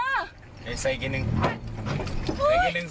ไปเลยไปเลยไม่ต้องจอดไม่จอดเถอะ